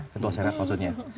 ketua senat maksudnya